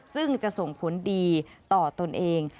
ซึ่งจะส่งผลดีต่อตนเอง